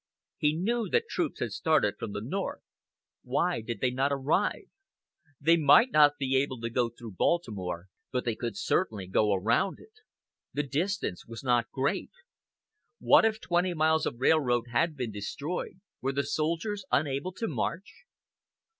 He knew that troops had started from the North. Why did they not arrive? They might not be able to go through Baltimore, but they could certainly go around it. The distance was not great. What if twenty miles of railroad had been destroyed, were the soldiers unable to march?